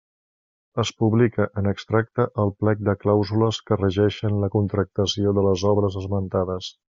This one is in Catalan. Es publica, en extracte, el plec de clàusules que regeixen la contractació de les obres esmentades.